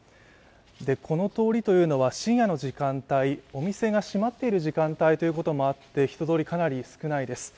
この通りというのは、深夜の時間帯お店が閉まっている時間帯ということもあって人通り、かなり少ないです。